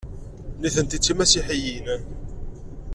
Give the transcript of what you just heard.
Nitenti d timasiḥiyin.